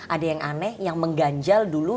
ada yang aneh yang mengganjal dulu